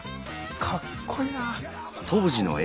かっこいいな。